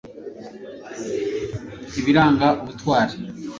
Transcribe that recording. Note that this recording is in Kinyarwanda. ibiranga ubutwari